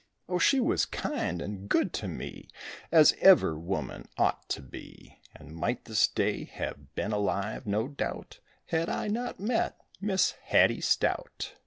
Oh, she was kind and good to me As ever woman ought to be, And might this day have been alive no doubt, Had I not met Miss Hatty Stout.